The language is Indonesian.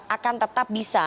akan tetap bisa